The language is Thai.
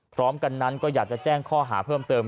พร้อมกันนั้นก็อยากจะแจ้งข้อหาเพิ่มเติม